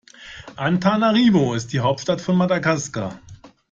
Antananarivo ist die Hauptstadt von Madagaskar.